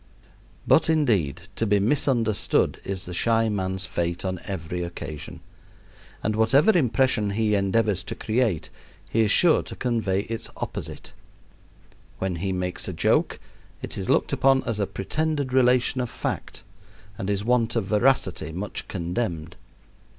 But, indeed, to be misunderstood is the shy man's fate on every occasion; and whatever impression he endeavors to create, he is sure to convey its opposite. When he makes a joke, it is looked upon as a pretended relation of fact and his want of veracity much condemned.